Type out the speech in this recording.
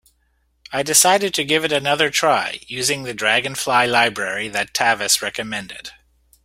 I decided to give it another try, using the Dragonfly library that Tavis recommended.